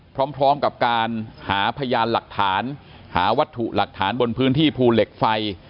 พร้อมกับการหาพยานหลักฐานหาวัตถุหลักฐานบนพื้นที่ภูเหล็กไฟ